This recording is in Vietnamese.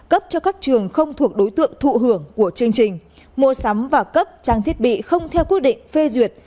cấp cho các trường không thuộc đối tượng thụ hưởng của chương trình mua sắm và cấp trang thiết bị không theo quy định phê duyệt